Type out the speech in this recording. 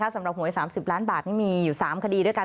สำหรับหวย๓๐ล้านบาทนี่มีอยู่๓คดีด้วยกัน